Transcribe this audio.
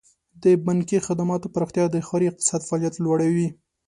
د بانکي خدماتو پراختیا د ښار اقتصادي فعالیت لوړوي.